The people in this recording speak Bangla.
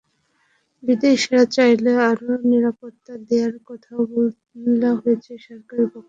বিদেশিরা চাইলে আরও নিরাপত্তা দেওয়ার কথাও বলা হয়েছে সরকারের পক্ষ থেকে।